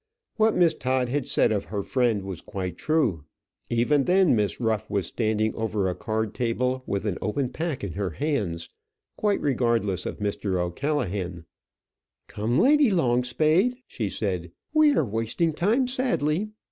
What Miss Todd had said of her friend was quite true. Even then Miss Ruff was standing over a card table, with an open pack in her hands, quite regardless of Mr. O'Callaghan. "Come, Lady Longspade," she said, "we are wasting time sadly.